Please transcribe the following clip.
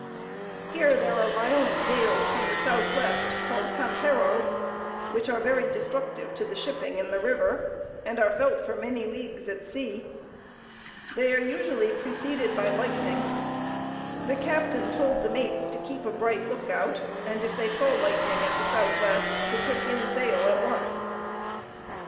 Here there are violent gales from the southwest called Pamperos, which are very destructive to the shipping in the river, and are felt for many leagues at sea. They are usually preceded by lightning. The captain told the mates to keep a bright lookout, and if they saw lightning at the southwest, to take in sail at once.